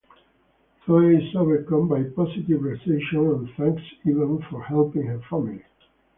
Zoe is overcome by the positive reception and thanks Evan for helping her family.